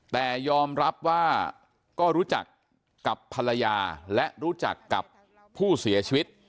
แต่ยอมรับว่าก็รู้จักกับภรรยาและรู้จักกับผู้เสียชีวิต